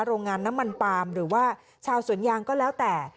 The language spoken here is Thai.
โรงงานน้ำมันปาล์มหรือว่าชาวสวนยางก็แล้วแต่